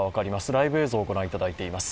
ライブ映像をご覧いただいています。